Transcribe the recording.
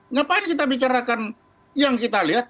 ngapain kita bicarakan yang kita lihat